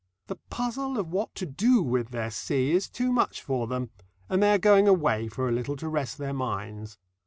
The puzzle of what to do with their sea is too much for them, and they are going away for a little to rest their minds.